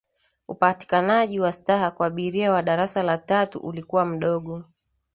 upatikanaji wa staha kwa abiria wa darasa la tatu ulikuwa mdogo